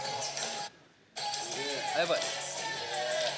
やばい。